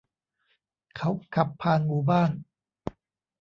เขาขับผ่านหมู่บ้าน